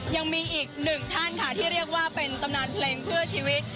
ยังมีอีกหนึ่งท่านค่ะที่เรียกว่าเป็นตำนานเพลงเพื่อชีวิต